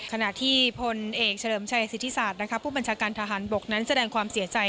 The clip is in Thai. ขณะที่พลเอกเฉลิมชัยสิทธิศาสตร์ผู้บัญชาการทหารบกนั้นแสดงความเสียใจ